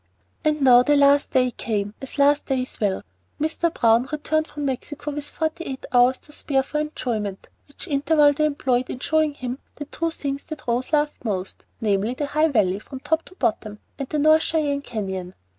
And now the last day came, as last days will. Mr. Browne returned from Mexico, with forty eight hours to spare for enjoyment, which interval they employed in showing him the two things that Rose loved most, namely, the High Valley from top to bottom, and the North Cheyenne Canyon.